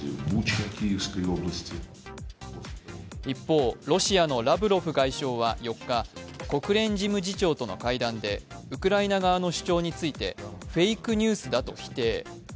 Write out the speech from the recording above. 一方、ロシアのラブロフ外相は４日、国連事務次長との会談でウクライナ側の主張についてフェイクニュースだと否定。